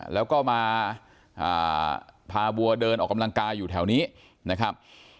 แล้วก็มาพาบัวเดินออกกำลังกายอยู่แถวนี้นะครับ